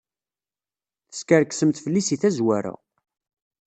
Teskerksemt fell-i seg tazwara.